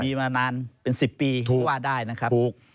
มีมานานเป็น๑๐ปีก็ว่าได้นะครับ